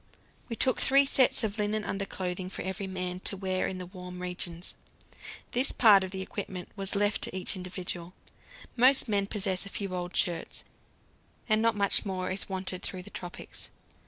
We took three sets of linen underclothing for every man, to wear in the warm regions. This part of the equipment was left to each individual; most men possess a few old shirts, and not much more is wanted through the tropics.